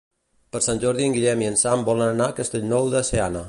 Per Sant Jordi en Guillem i en Sam volen anar a Castellnou de Seana.